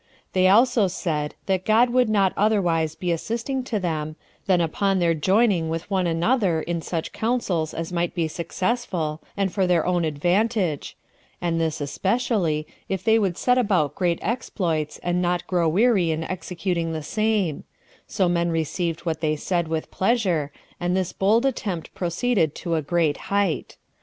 They also said that God would not otherwise be assisting to them, than upon their joining with one another in such councils as might be successful, and for their own advantage; and this especially, if they would set about great exploits, and not grow weary in executing the same; so men received what they said with pleasure, and this bold attempt proceeded to a great height.